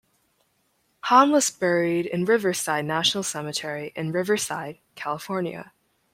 Hahn was buried in Riverside National Cemetery in Riverside, California.